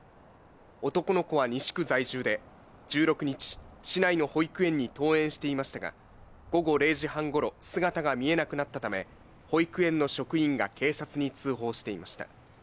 男の子は西区在住で１６日、市内の保育園に登園していましたが、午後０時半ごろ、姿が見えなくなったため、保育園の職員が警察に通報していました。